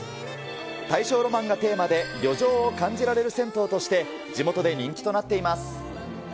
大正ロマンがテーマで、旅情を感じられる銭湯として、地元で人気となっています。